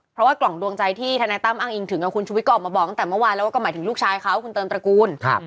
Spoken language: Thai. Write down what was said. เพราะว่ากล่องดวงใจที่ธนายตั้มอ้างอิงถึงคุณชุวิตก็ออกมาบอกตั้งแต่เมื่อวานแล้วว่าก็หมายถึงลูกชายเขาคุณเติมตระกูล